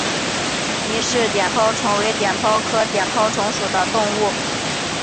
倪氏碘泡虫为碘泡科碘泡虫属的动物。